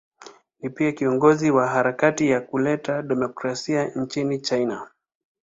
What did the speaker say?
Ni pia kiongozi wa harakati ya kuleta demokrasia nchini China.